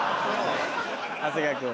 長谷川君。